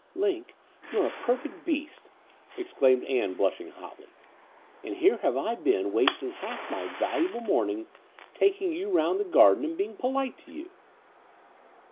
Linc, you're a perfect beast," exclaimed Ann, blushing hotly: "and here have I been wasting half my valuable morning taking you round the garden and being polite to you."